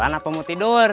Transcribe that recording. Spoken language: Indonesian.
jalan apa mau tidur